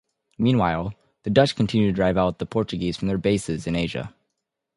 Meanwhile, the Dutch continued to drive out the Portuguese from their bases in Asia.